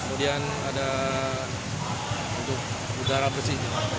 kemudian ada untuk udara besi